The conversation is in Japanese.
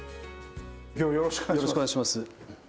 よろしくお願いします。